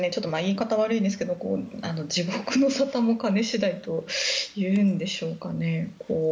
いい方は悪いですけど地獄の沙汰も金次第というんでしょうかね。